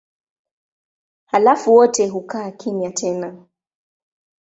Halafu wote hukaa kimya tena.